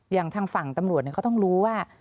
อย่างทางฝั่งตำรวจเขาต้องรู้ว่า